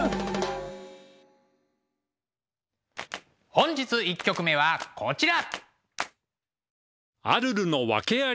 本日１曲目はこちら。